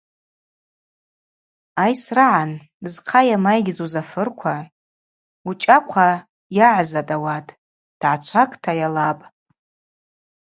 Айсра агӏан зхъа йамайгьдзуз афырква, Учӏахъва йагӏзатӏ ауат, тгӏачвакӏта йалапӏ.